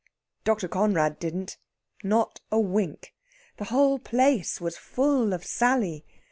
Dr. Conrad didn't, not a wink. The whole place was full of Sally.